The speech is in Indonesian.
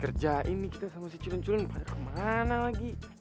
kerja ini kita sama si culun culun pada kemana lagi